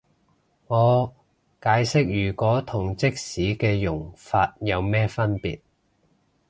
我解釋如果同即使嘅用法有咩分別